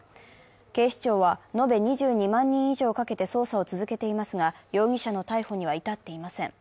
警視庁は延べ２２万人以上かけて捜査を続けていますが容疑者の逮捕には至っていません。